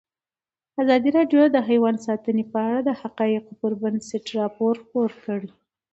ازادي راډیو د حیوان ساتنه په اړه د حقایقو پر بنسټ راپور خپور کړی.